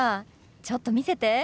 ちょっと見せて。